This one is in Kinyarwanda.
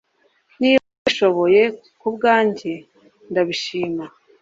Niba ubishoboye kubwanjye ndabishima